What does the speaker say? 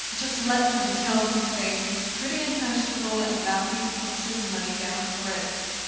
Just let them tell him a thing is pretty and fashionable, and Matthew plunks his money down for it.